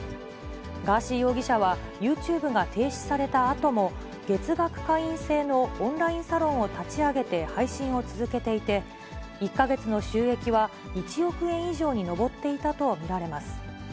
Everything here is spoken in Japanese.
ガーシー容疑者は、ユーチューブが停止されたあとも、月額会員制のオンラインサロンを立ち上げて配信を続けていて、１か月の収益は１億円以上に上っていたと見られます。